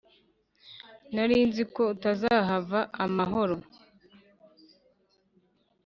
narinziko utazahava amahoro